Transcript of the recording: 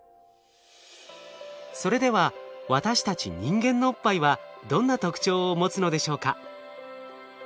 それでは私たち人間のおっぱいはどんな特徴を持つのでしょうか？